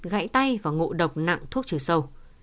gãy tay và ngộ độc nặng thuốc trừ sâu